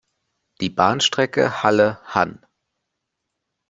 Die Bahnstrecke Halle–Hann.